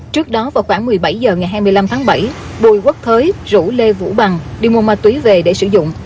trước đó vào khoảng một mươi bảy h ngày hai mươi năm tháng bảy bùi quốc thới rủ lê vũ bằng đi mua ma túy về để sử dụng